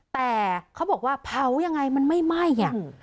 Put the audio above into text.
แต่เขาบอกว่าเผายังไงมันไม่ไหม้อ่ะ